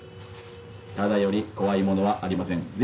タダより怖いものはありません。